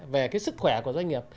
về sức khỏe của doanh nghiệp